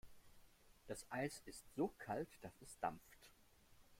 Das Eis ist so kalt, dass es dampft.